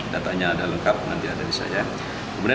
datanya ada lengkap nanti ada di saya kemudian